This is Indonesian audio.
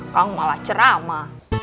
kang malah cerama